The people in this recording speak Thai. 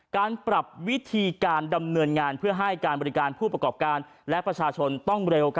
การปรับวิธีการดำเนินงานเพื่อให้การบริการผู้ประกอบการและประชาชนต้องเร็ว